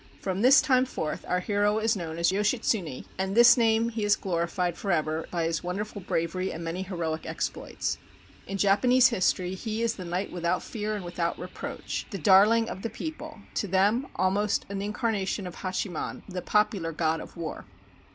From this time forth our hero is known as Yoshitsune, and this name he has glorified forever by his wonderful bravery and many heroic ex ploits. In Japanese history he is the knight without fear and without reproach, the darling of the people, to them almost an incarnation of Hachiman, the popular God of War.